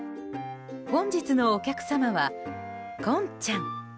本日のお客様は、こんちゃん。